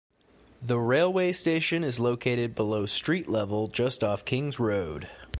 The railway station is located below street level just off Kings Road.